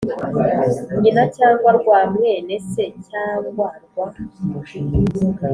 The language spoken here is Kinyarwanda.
nyina cyangwa rwa mwene se cyangwa rwa